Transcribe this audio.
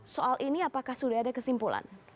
soal ini apakah sudah ada kesimpulan